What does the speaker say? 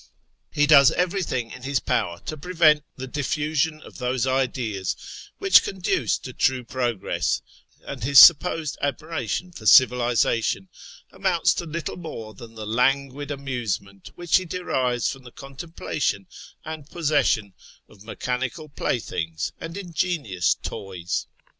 He does everything in his power to prevent the TEHERAN 91 diffusion of those ideas which conduce to true progress, and his supposed admiration for civilisation amounts to little more than the languid amusement which he derives from the con templation and possession of mechanical playthings and in genious toys.